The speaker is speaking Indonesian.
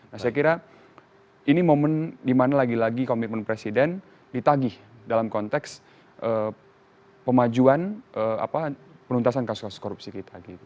nah saya kira ini momen dimana lagi lagi komitmen presiden ditagih dalam konteks pemajuan penuntasan kasus kasus korupsi kita